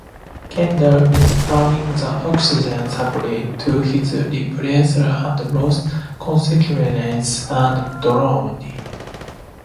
Kendall missed turning the oxygen supply to his rebreather and lost consciousness and drowned.